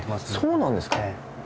そうなんですかええ